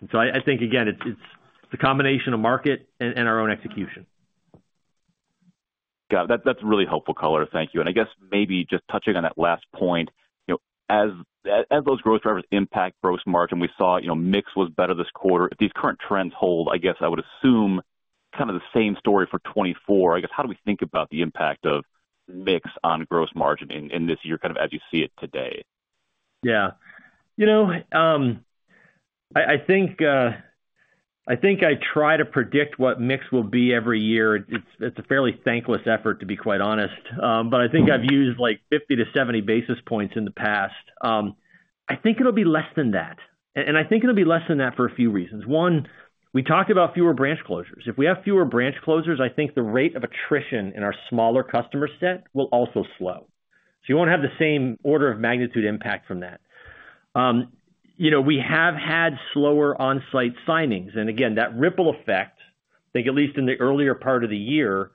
And so I, I think, again, it's, it's the combination of market and, and our own execution. Got it. That's, that's really helpful color. Thank you. And I guess maybe just touching on that last point, you know, as, as those growth drivers impact gross margin, we saw, you know, mix was better this quarter. If these current trends hold, I guess I would assume kind of the same story for 2024. I guess, how do we think about the impact of mix on gross margin in, in this year, kind of, as you see it today? Yeah. You know, I, I think, I think I try to predict what mix will be every year. It's, it's a fairly thankless effort, to be quite honest. But I think I've used like 50-70 basis points in the past. I think it'll be less than that, and I think it'll be less than that for a few reasons. One, we talked about fewer branch closures. If we have fewer branch closures, I think the rate of attrition in our smaller customer set will also slow. So you won't have the same order of magnitude impact from that. You know, we have had slower Onsite signings, and again, that ripple effect, I think, at least in the earlier part of the year,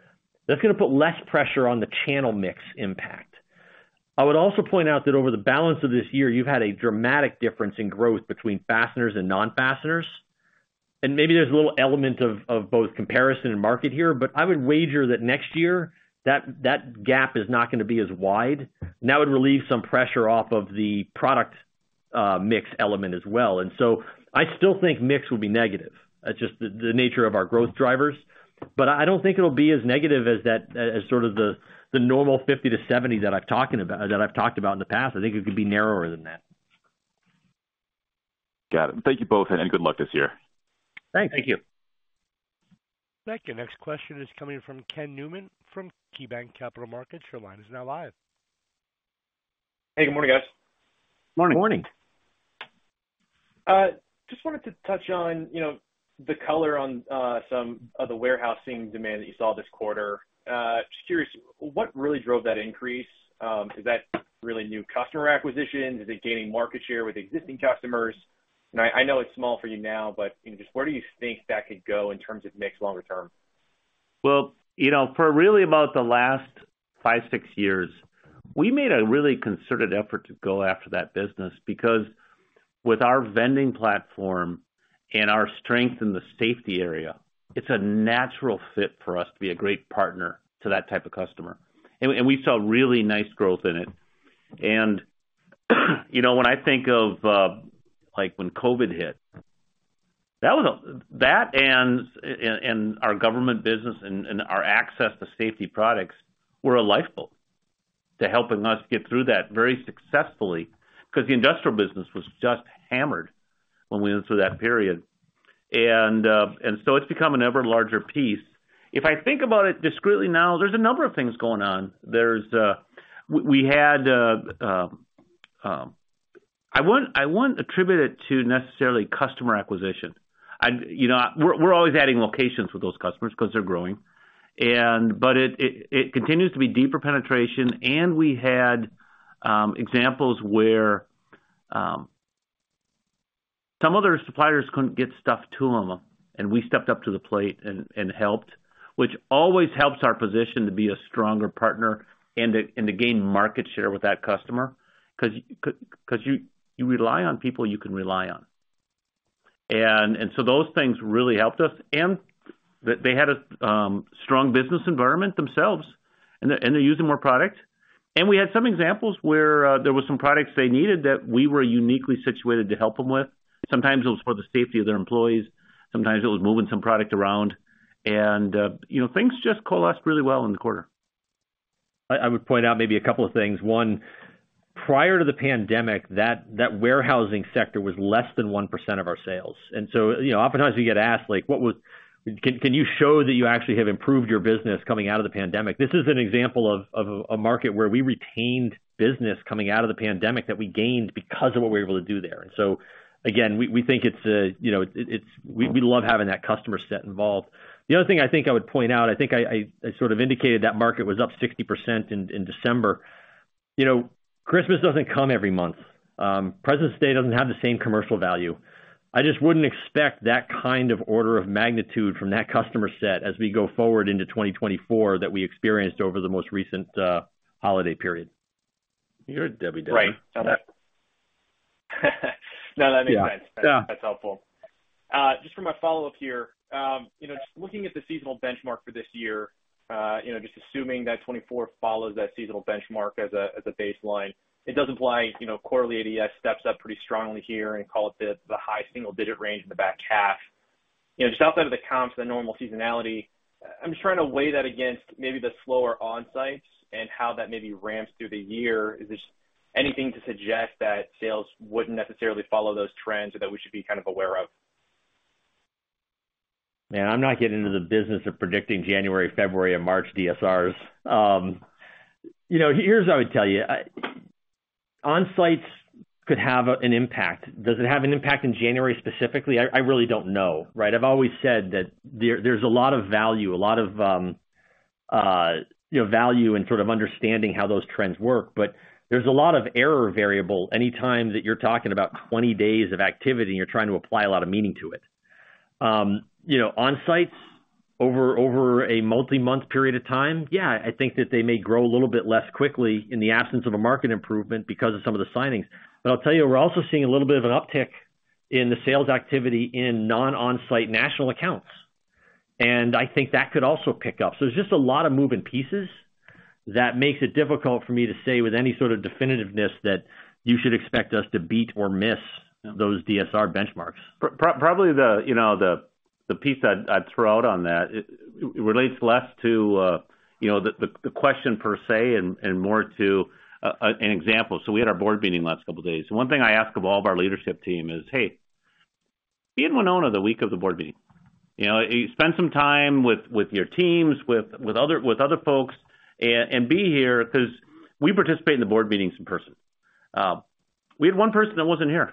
that's gonna put less pressure on the channel mix impact. I would also point out that over the balance of this year, you've had a dramatic difference in growth between fasteners and non-fasteners, and maybe there's a little element of both comparison and market here, but I would wager that next year, that gap is not gonna be as wide, and that would relieve some pressure off of the product mix element as well. So I still think mix will be negative. That's just the nature of our growth drivers, but I don't think it'll be as negative as that, as sort of the normal 50-70 that I've talked about in the past. I think it could be narrower than that. Got it. Thank you both, and good luck this year. Thanks. Thank you. Thank you. Next question is coming from Ken Newman, from KeyBanc Capital Markets. Your line is now live. Hey, good morning, guys. Morning. Morning. Just wanted to touch on, you know, the color on some of the warehousing demand that you saw this quarter. Just curious, what really drove that increase? Is that really new customer acquisition? Is it gaining market share with existing customers? And I know it's small for you now, but, you know, just where do you think that could go in terms of mix longer term? Well, you know, for really about the last five, six years, we made a really concerted effort to go after that business, because with our vending platform and our strength in the safety area, it's a natural fit for us to be a great partner to that type of customer. And we saw really nice growth in it. And, you know, when I think of, like when COVID hit, that and our government business and our access to safety products were a lifeboat to helping us get through that very successfully, because the industrial business was just hammered when we went through that period. And so it's become an ever larger piece. If I think about it discretely now, there's a number of things going on. We had... I wouldn't attribute it to necessarily customer acquisition. I'd, you know, we're always adding locations with those customers because they're growing, but it continues to be deeper penetration, and we had examples where some other suppliers couldn't get stuff to them, and we stepped up to the plate and helped, which always helps our position to be a stronger partner and to gain market share with that customer, 'cause you rely on people you can rely on. And so those things really helped us, and they had a strong business environment themselves, and they're using more product. And we had some examples where there were some products they needed that we were uniquely situated to help them with. Sometimes it was for the safety of their employees, sometimes it was moving some product around, and, you know, things just call us really well in the quarter. I would point out maybe a couple of things. One, prior to the pandemic, that warehousing sector was less than 1% of our sales. And so, you know, oftentimes we get asked, like, "Can you show that you actually have improved your business coming out of the pandemic?" This is an example of a market where we retained business coming out of the pandemic that we gained because of what we were able to do there. And so again, we think it's, you know, we love having that customer set involved. The other thing I think I would point out, I think I sort of indicated that market was up 60% in December. You know, Christmas doesn't come every month. Presidents' Day doesn't have the same commercial value. I just wouldn't expect that kind of order of magnitude from that customer set as we go forward into 2024, that we experienced over the most recent holiday period. You're a Debbie Downer. Right. No, that makes sense. Yeah. That's helpful. Just for my follow-up here, you know, just looking at the seasonal benchmark for this year, you know, just assuming that 2024 follows that seasonal benchmark as a, as a baseline, it does imply, you know, quarterly ADS steps up pretty strongly here and call it the, the high single-digit range in the back half. You know, just off out of the comps, the normal seasonality, I'm just trying to weigh that against maybe the slower Onsites and how that maybe ramps through the year. Is there anything to suggest that sales wouldn't necessarily follow those trends or that we should be kind of aware of? Man, I'm not getting into the business of predicting January, February, and March DSRs. You know, here's what I would tell you. I, Onsites could have an impact. Does it have an impact in January, specifically? I really don't know, right? I've always said that there, there's a lot of value, a lot of, you know, value in sort of understanding how those trends work. But there's a lot of error variable any time that you're talking about 20 days of activity, and you're trying to apply a lot of meaning to it. You know, Onsites over a multi-month period of time, yeah, I think that they may grow a little bit less quickly in the absence of a market improvement because of some of the signings. But I'll tell you, we're also seeing a little bit of an uptick in the sales activity in non-Onsite national accounts, and I think that could also pick up. So there's just a lot of moving pieces that makes it difficult for me to say with any sort of definitiveness that you should expect us to beat or miss those DSR benchmarks. Probably the, you know, the, the piece I'd, I'd throw out on that, it relates less to, you know, the, the question per se, and, and more to, an example. So we had our board meeting last couple of days, and one thing I ask of all of our leadership team is, "Hey, be in Winona the week of the board meeting. You know, spend some time with, with your teams, with, with other, with other folks and, and be here," 'cause we participate in the board meetings in person. We had one person that wasn't here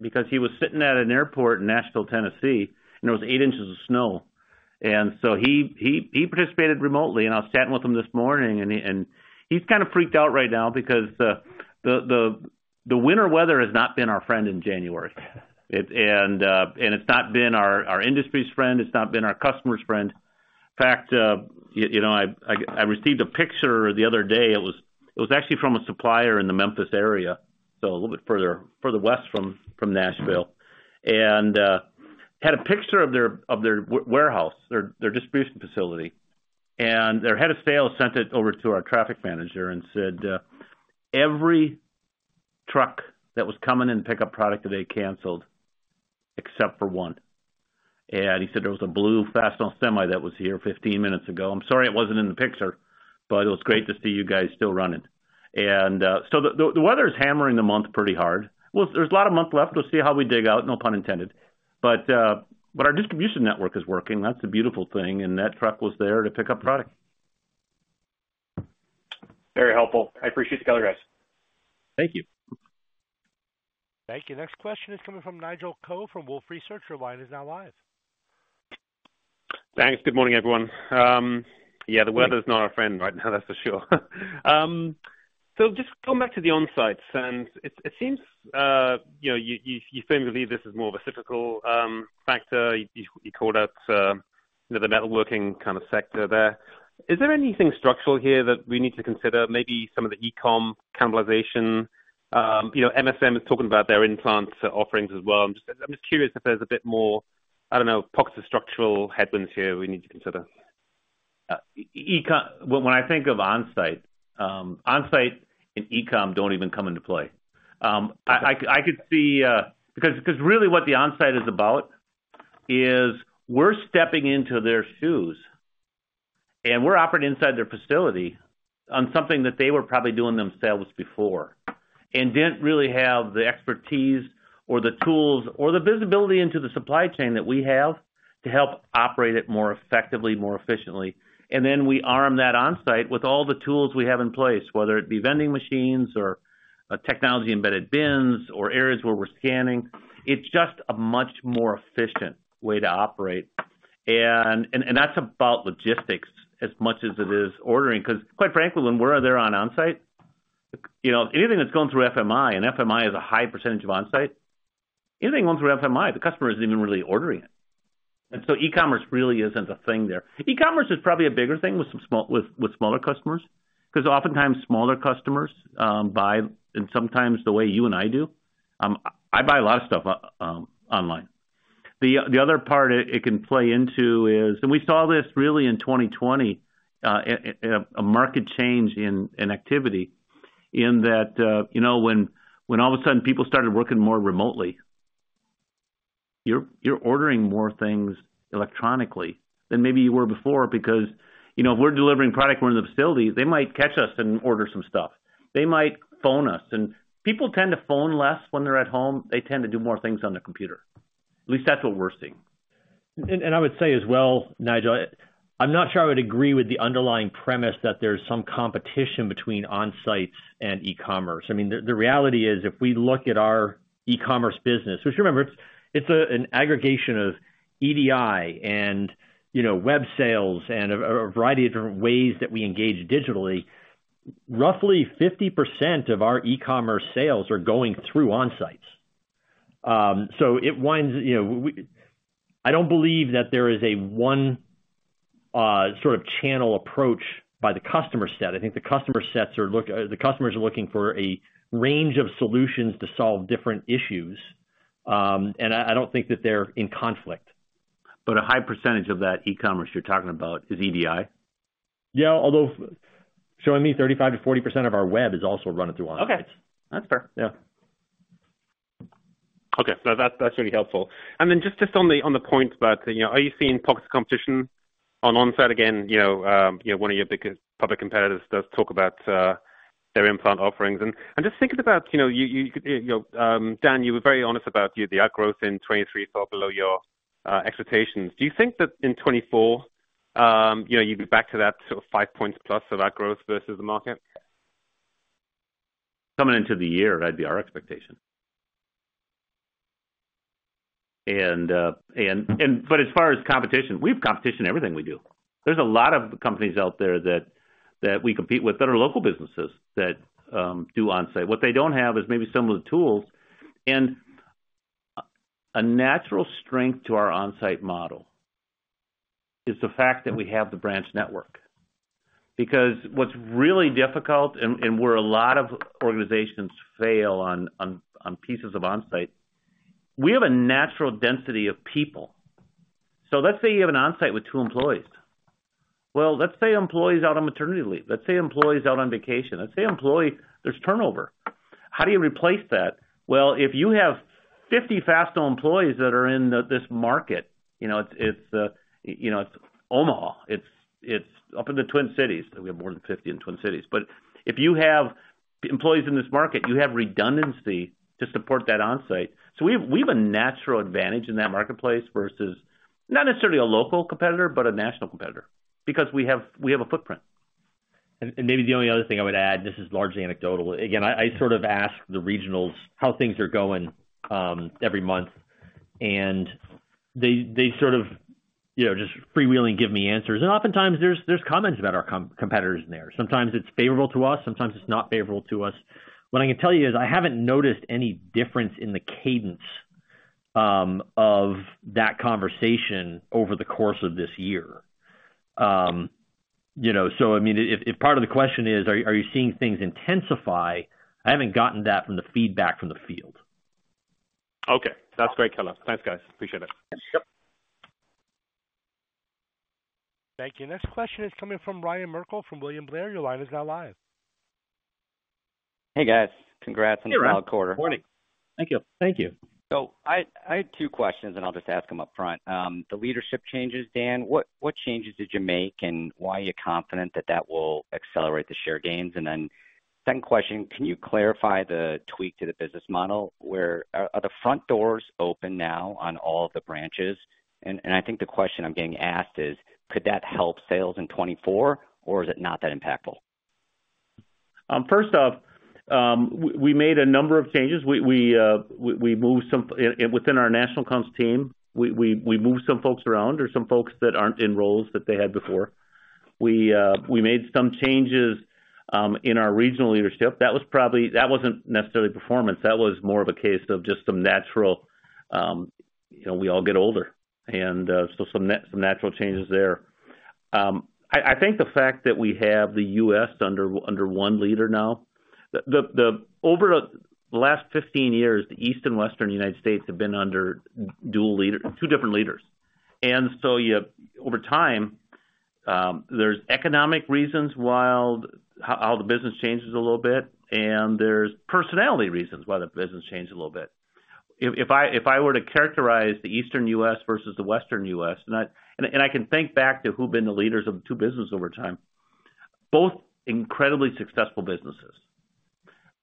because he was sitting at an airport in Nashville, Tennessee, and there was 8 inches of snow. And so he participated remotely, and I was chatting with him this morning, and he's kind of freaked out right now because the winter weather has not been our friend in January. And it's not been our industry's friend, it's not been our customer's friend. In fact, you know, I received a picture the other day. It was actually from a supplier in the Memphis area, so a little bit further west from Nashville. And had a picture of their warehouse, their distribution facility. Their head of sales sent it over to our traffic manager and said, "Every truck that was coming in to pick up product today canceled, except for one." And he said, "There was a blue Fastenal semi that was here 15 minutes ago. I'm sorry it wasn't in the picture, but it was great to see you guys still running." So the weather is hammering the month pretty hard. Well, there's a lot of month left. We'll see how we dig out, no pun intended. But our distribution network is working. That's a beautiful thing, and that truck was there to pick up product. Very helpful. I appreciate you guys. Thank you. Thank you. Next question is coming from Nigel Coe from Wolfe Research, your line is now live. Thanks. Good morning, everyone. Yeah, the weather's not our friend right now, that's for sure. So just coming back to the Onsites, and it seems, you know, you seem to believe this is more of a cyclical factor. You called out, you know, the metalworking kind of sector there. Is there anything structural here that we need to consider? Maybe some of the e-com cannibalization. You know, MSM is talking about their In-Plant offerings as well. I'm just curious if there's a bit more, I don't know, pockets of structural headwinds here we need to consider. When I think of Onsite, Onsite and e-com don't even come into play. I could see, because really what the Onsite is about is we're stepping into their shoes and we're operating inside their facility on something that they were probably doing themselves before, and didn't really have the expertise or the tools or the visibility into the supply chain that we have, to help operate it more effectively, more efficiently. And then we arm that Onsite with all the tools we have in place, whether it be vending machines or technology-embedded bins or areas where we're scanning. It's just a much more efficient way to operate. That's about logistics as much as it is ordering, because, quite frankly, when we're there Onsite, you know, anything that's going through FMI, and FMI is a high percentage of Onsite, anything going through FMI, the customer isn't even really ordering it. And so e-commerce really isn't a thing there. E-commerce is probably a bigger thing with some smaller customers, because oftentimes smaller customers buy, and sometimes the way you and I do. I buy a lot of stuff online. The other part it can play into is, and we saw this really in 2020, a market change in activity, in that, you know, when all of a sudden people started working more remotely, you're ordering more things electronically than maybe you were before, because, you know, if we're delivering product, we're in the facility, they might catch us and order some stuff. They might phone us, and people tend to phone less when they're at home. They tend to do more things on the computer. At least that's what we're seeing. And I would say as well, Nigel, I'm not sure I would agree with the underlying premise that there's some competition between Onsites and e-commerce. I mean, the reality is, if we look at our e-commerce business, which, remember, it's an aggregation of EDI and, you know, web sales and a variety of different ways that we engage digitally. Roughly 50% of our e-commerce sales are going through Onsites. So it winds, you know, I don't believe that there is a one, sort of channel approach by the customer set. I think the customer sets are, the customers are looking for a range of solutions to solve different issues, and I don't think that they're in conflict. A high percentage of that e-commerce you're talking about is EDI? Yeah, Holden showing me 35%-40% of our web is also run through Onsite. Okay. That's fair. Yeah. Okay. So that's, that's really helpful. And then just on the point about, you know, are you seeing pockets of competition on Onsite? Again, you know, you know, one of your biggest public competitors does talk about their In-Plant offerings. And just thinking about, you know, you, you know, Dan, you were very honest about the outgrowth in 2023 fell below your expectations. Do you think that in 2024, you know, you'd be back to that sort of five points plus of outgrowth versus the market? Coming into the year, that'd be our expectation. But as far as competition, we have competition in everything we do. There's a lot of companies out there that we compete with that are local businesses that do Onsite. What they don't have is maybe some of the tools. And a natural strength to our Onsite model is the fact that we have the branch network. Because what's really difficult and where a lot of organizations fail on pieces of Onsite, we have a natural density of people. So let's say you have an Onsite with two employees. Well, let's say employee's out on maternity leave. Let's say employee's out on vacation. Let's say employee, there's turnover. How do you replace that? Well, if you have 50 Fastenal employees that are in this market, you know, it's, it's, you know, it's Omaha, it's up in the Twin Cities. We have more than 50 in Twin Cities. But if you have employees in this market, you have redundancy to support that Onsite. So we have, we have a natural advantage in that marketplace versus not necessarily a local competitor, but a national competitor, because we have, we have a footprint. And maybe the only other thing I would add, this is largely anecdotal. Again, I sort of ask the regionals how things are going every month, and they sort of, you know, just freewheeling give me answers. And oftentimes there's comments about our competitors in there. Sometimes it's favorable to us, sometimes it's not favorable to us. What I can tell you is I haven't noticed any difference in the cadence of that conversation over the course of this year. You know, so I mean, if part of the question is, are you seeing things intensify? I haven't gotten that from the feedback from the field. Okay. That's great, color. Thanks, guys. Appreciate it. Yep. Thank you. Next question is coming from Ryan Merkel, from William Blair. Your line is now live. Hey, guys. Congrats on the quarter. Morning. Thank you. Thank you. So I had two questions, and I'll just ask them upfront. The leadership changes, Dan, what changes did you make, and why are you confident that that will accelerate the share gains? And then second question, can you clarify the tweak to the business model? Where are the front doors open now on all of the branches? And I think the question I'm getting asked is: Could that help sales in 2024, or is it not that impactful? First off, we made a number of changes. We moved some... Within our national accounts team, we moved some folks around or some folks that aren't in roles that they had before. We made some changes in our regional leadership. That was probably. That wasn't necessarily performance. That was more of a case of just some natural, you know, we all get older, and so some natural changes there. I think the fact that we have the U.S. under one leader now. The over the last 15 years, the Eastern and Western United States have been under two different leaders. And so you have, over time, there's economic reasons why the business changes a little bit, and there's personality reasons why the business changed a little bit. If I were to characterize the Eastern U.S. versus the Western U.S., and I can think back to who've been the leaders of the two businesses over time, both incredibly successful businesses.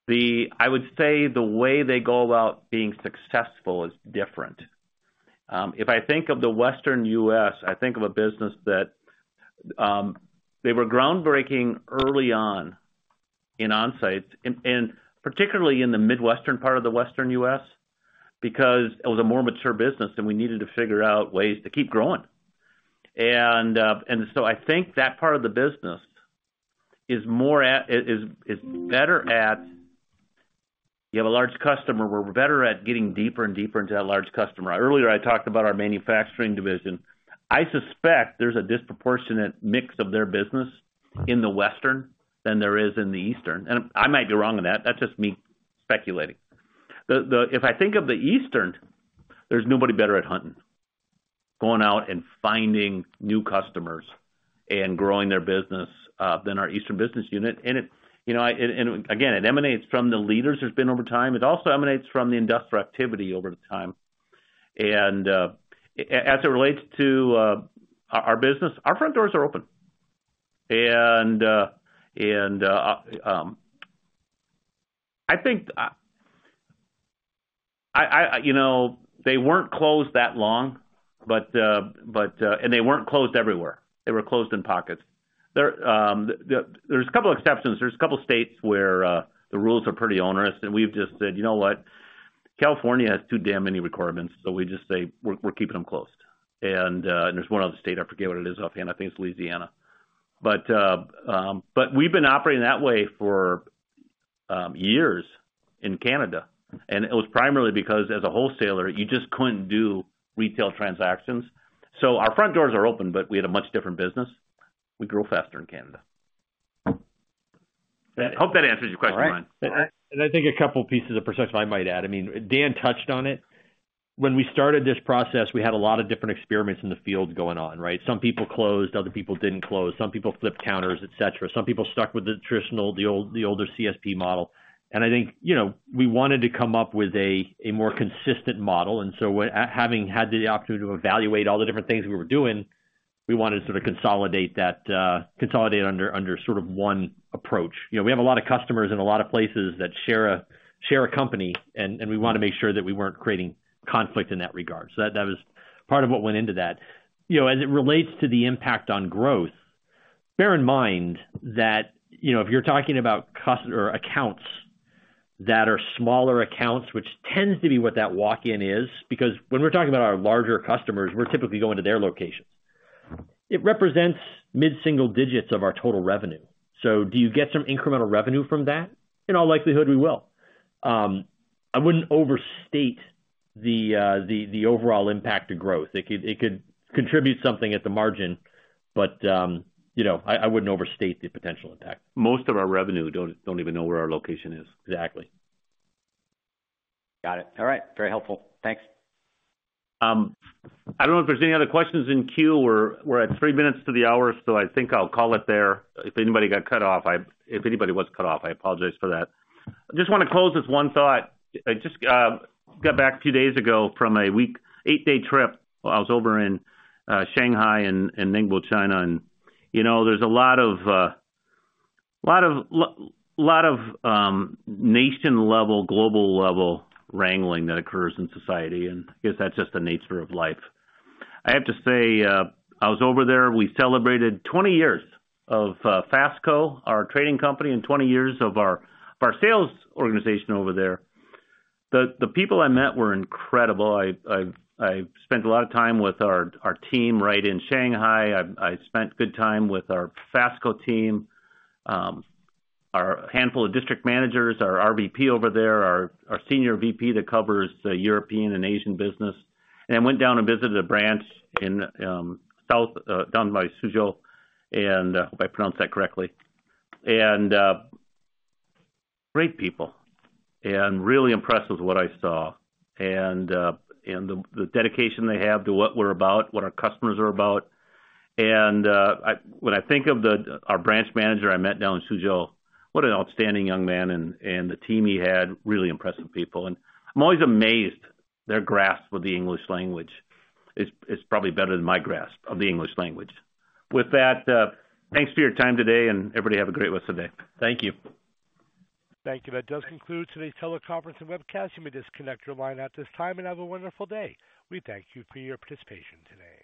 I would say the way they go about being successful is different. If I think of the Western U.S., I think of a business that they were groundbreaking early on in Onsites, and particularly in the Midwestern part of the Western U.S., because it was a more mature business, and we needed to figure out ways to keep growing. And so I think that part of the business is more at—is better at... You have a large customer, we're better at getting deeper and deeper into that large customer. Earlier, I talked about our manufacturing division. I suspect there's a disproportionate mix of their business in the Western than there is in the Eastern, and I might be wrong on that. That's just me speculating. If I think of the Eastern, there's nobody better at hunting, going out and finding new customers and growing their business than our Eastern business unit. And it, you know, and again, it emanates from the leaders there has been over time. It also emanates from the industrial activity over the time. And as it relates to our business, our front doors are open. And I think, I. You know, they weren't closed that long, but, but. And they weren't closed everywhere. They were closed in pockets. There, there's a couple exceptions. There's a couple states where the rules are pretty onerous, and we've just said, "You know what? California has too damn many requirements." So we just say, "We're keeping them closed." And, there's one other state, I forget what it is offhand. I think it's Louisiana. But we've been operating that way for years in Canada, and it was primarily because, as a wholesaler, you just couldn't do retail transactions. So our front doors are open, but we had a much different business. We grew faster in Canada. I hope that answers your question, Ryan. All right. I think a couple pieces of perception I might add. I mean, Dan touched on it. When we started this process, we had a lot of different experiments in the field going on, right? Some people closed, other people didn't close, some people flipped counters, et cetera. Some people stuck with the traditional, the older CSP model. And I think, you know, we wanted to come up with a more consistent model, and so, having had the opportunity to evaluate all the different things we were doing, we wanted to sort of consolidate that, consolidate under sort of one approach. You know, we have a lot of customers in a lot of places that share a company, and we wanna make sure that we weren't creating conflict in that regard. So that was part of what went into that. You know, as it relates to the impact on growth, bear in mind that, you know, if you're talking about customer or accounts that are smaller accounts, which tends to be what that walk-in is, because when we're talking about our larger customers, we're typically going to their locations. It represents mid-single digits of our total revenue. So do you get some incremental revenue from that? In all likelihood, we will. I wouldn't overstate the overall impact to growth. It could contribute something at the margin, but, you know, I wouldn't overstate the potential impact. Most of our revenue don't even know where our location is. Exactly. Got it. All right. Very helpful. Thanks. I don't know if there's any other questions in queue. We're, we're at three minutes to the hour, so I think I'll call it there. If anybody got cut off, if anybody was cut off, I apologize for that. I just wanna close this one thought. I just got back a few days ago from an eight day trip. I was over in Shanghai and Ningbo, China. And, you know, there's a lot of a lot of nation-level, global-level wrangling that occurs in society, and I guess that's just the nature of life. I have to say, I was over there. We celebrated 20 years of Fastco, our trading company, and 20 years of our sales organization over there. The people I met were incredible. I spent a lot of time with our team right in Shanghai. I spent good time with our Fastco team, our handful of district managers, our RVP over there, our senior VP that covers the European and Asian business, and went down and visited a branch in south down by Suzhou, and I hope I pronounced that correctly. Great people, and really impressed with what I saw and the dedication they have to what we're about, what our customers are about. When I think of our branch manager I met down in Suzhou, what an outstanding young man and the team he had, really impressive people. I'm always amazed, their grasp of the English language is probably better than my grasp of the English language. With that, thanks for your time today, and everybody have a great rest of the day. Thank you. Thank you. That does conclude today's teleconference and webcast. You may disconnect your line at this time and have a wonderful day. We thank you for your participation today.